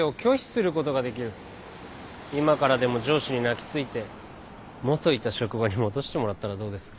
今からでも上司に泣き付いて元いた職場に戻してもらったらどうですか？